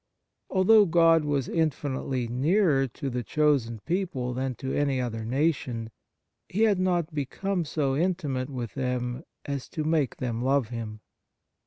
Although God was infinitely nearer to the chosen people than to any other nation, He had not become so inti mate with them as to make them love Him.